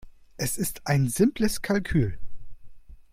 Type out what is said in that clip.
Es ist ein simples Kalkül.